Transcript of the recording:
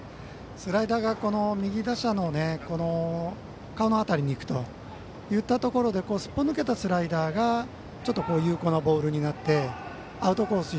スライダーが右打者の顔の辺りに行くといったところですっぽ抜けたスライダーが有効なボールになってアウトコース